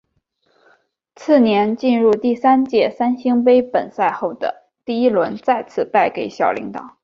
次年进入第三届三星杯本赛后第一轮再次败给小林觉。